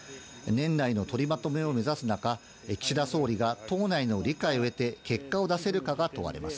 年内の取りまとめを目指す中、岸田総理が党内の理解を得て、結果を出せるかが問われます。